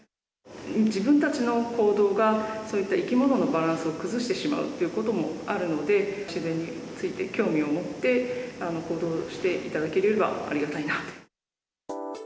自分たちの行動が、そういった生き物のバランスを崩してしまうということもあるので、自然について興味を持って、行動していただければありがたいなと。